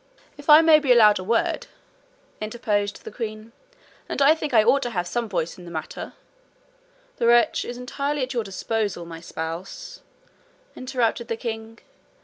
'If I may be allowed a word,' interposed the queen, 'and I think I ought to have some voice in the matter ' 'The wretch is entirely at your disposal, my spouse,' interrupted the king.